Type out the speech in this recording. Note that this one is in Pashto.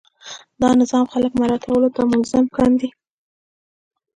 دا نظام خلک مراعاتولو ته ملزم کاندي.